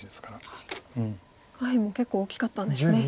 下辺も結構大きかったんですね。